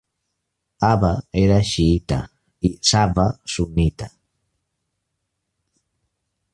Aba era xiïta i Sava sunnita.